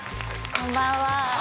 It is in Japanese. こんばんは！